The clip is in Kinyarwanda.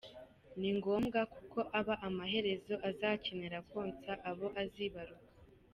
Ni ngombwa kuko aba amaherezo azakenera konsa abo azibaruka.